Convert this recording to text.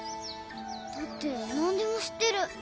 だって何でも知ってる。